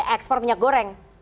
ekspor minyak goreng